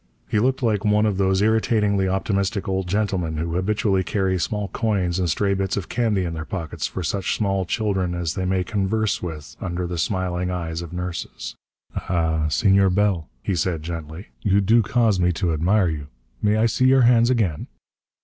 He looked like one of those irritatingly optimistic old gentlemen who habitually carry small coins and stray bits of candy in their pockets for such small children as they may converse with under the smiling eyes of nurses. "Ah, Senor Bell," he said gently. "You do cause me to admire you. May I see your hands again?"